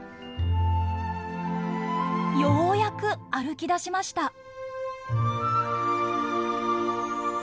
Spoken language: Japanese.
ようやく歩きだしました。